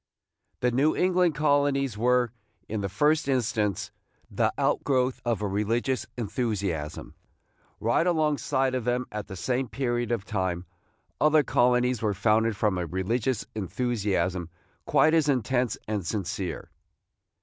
The New England colonies were, in the first instance, the out growth of a religious enthusiasm. Right alongside of them, at the same period of time, other colonies were founded from a religious enthusiasm quite as intense and sincere.